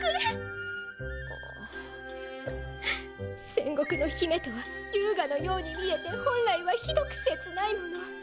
戦国の姫とは優雅なように見えて本来はひどく切ないもの。